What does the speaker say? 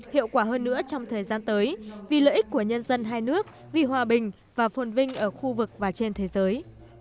hiệu quả hơn nữa trong thời gian tới vì lợi ích của nhân dân hai nước vì hòa bình và phồn vinh ở khu vực và trên thế giới